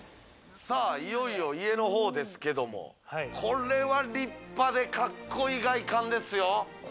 いよいよ家の方ですけども、これは立派で格好良い外観ですよ。